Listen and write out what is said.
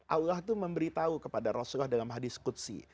allah itu memberitahu kepada rasulullah dalam hadis kutsi